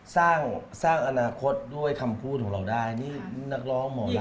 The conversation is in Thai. สร้างสร้างอนาคตด้วยคำพูดของเราได้นี่นักร้องหมอลำ